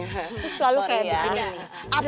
itu selalu kayak begini nih